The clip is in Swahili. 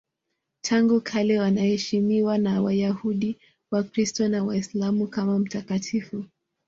Tangu kale anaheshimiwa na Wayahudi, Wakristo na Waislamu kama mtakatifu.